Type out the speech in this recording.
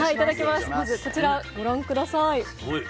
まずこちらご覧下さい。